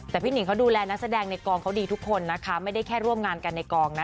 แต่พี่หิงเขาดูแลนักแสดงในกองเขาดีทุกคนนะคะไม่ได้แค่ร่วมงานกันในกองนะ